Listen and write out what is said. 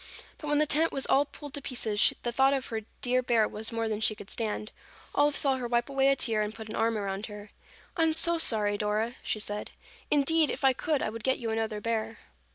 But when the tent was all pulled to pieces, the thought of her dear bear was more than she could stand. Olive saw her wipe away a tear and put an arm around her. "I am so sorry, Dora," she said. "Indeed, if I could, I would get you another bear."